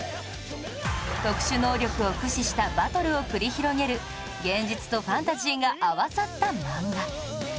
特殊能力を駆使したバトルを繰り広げる現実とファンタジーが合わさった漫画